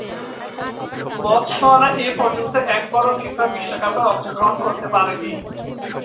Botswana এপর্যন্ত একবারও FIFA বিশ্বকাপে অংশগ্রহণ করতে পারেনি।